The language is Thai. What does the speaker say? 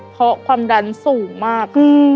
เพราะความดันสูงมาก